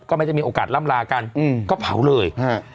ก็ไม่ได้มีโอกาสล่ำลากันก็เผาเลยฮะ